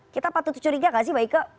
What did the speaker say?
kita patut curiga mbak ike